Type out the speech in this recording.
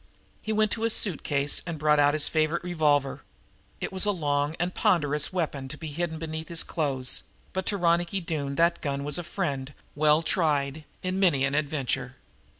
He went to his suit case and brought out his favorite revolver. It was a long and ponderous weapon to be hidden beneath his clothes, but to Ronicky Doone that gun was a friend well tried in many an adventure.